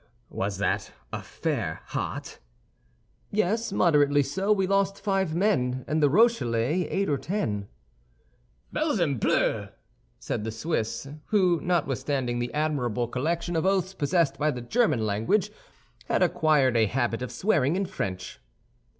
"Was that affair hot?" "Yes, moderately so. We lost five men, and the Rochellais eight or ten." "Balzempleu!" said the Swiss, who, notwithstanding the admirable collection of oaths possessed by the German language, had acquired a habit of swearing in French.